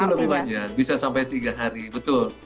lebih panjang bisa sampai tiga hari betul